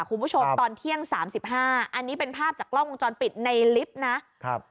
คุณผู้ชมตอนเที่ยงสามสิบห้าอันนี้เป็นภาพจากกล้องวงจรปิดในลิฟต์นะครับ